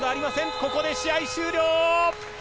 ここで試合終了。